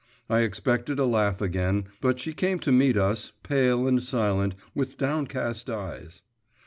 I expected a laugh again; but she came to meet us, pale and silent, with downcast eyes.